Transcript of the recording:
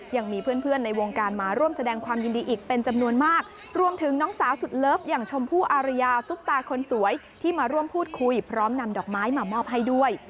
ยังมีเพื่อนเพื่อนในวงการมาร่วมแสดงความยินดีอีกเป็นจำนวนมากรวมถึงน้องสาวสุดเลิฟอย่างชมพู่อารยาซุปตาคนสวยที่มาร่วมพูดคุยพร้อมนำดอกไม้มามอบให้ด้วย